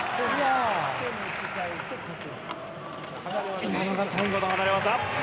今のが最後の離れ技。